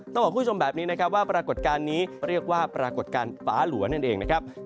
ต้องบอกคุณผู้ชมแบบนี้นะครับว่าปรากฏการณ์นี้เรียกว่าปรากฏการณ์ฟ้าหลัวนั่นเองนะครับ